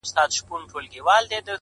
دا لوړ ځل و. تر سلامه پوري پاته نه سوم.